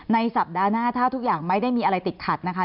สัปดาห์หน้าถ้าทุกอย่างไม่ได้มีอะไรติดขัดนะคะ